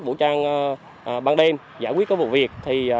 bộ trang ban đêm giải quyết vụ việc